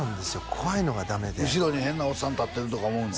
怖いのがダメで後ろに変なおっさん立ってるとか思うの？